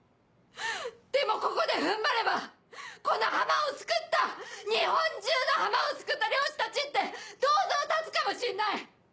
でもここで踏ん張ればこの浜を救った日本中の浜を救った漁師たちって銅像建つかもしんない！